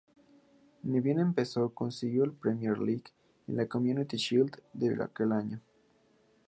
Ni bien empezó, consiguió la Premier League y la Community Shield de aquel año.